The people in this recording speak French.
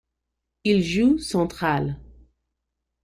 Il joue Central.